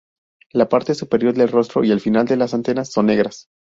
La parte superior del rostro y el final de las antenas son negras.